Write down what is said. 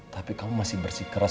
tapi kamu masih bersikeras